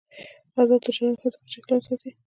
آزاد تجارت مهم دی ځکه چې اقلیم ساتي.